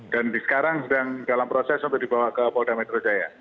dan sekarang sedang dalam proses untuk dibawa ke polda metro jaya